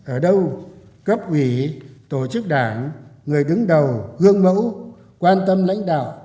ở đâu cấp ủy tổ chức đảng người đứng đầu gương mẫu quan tâm lãnh đạo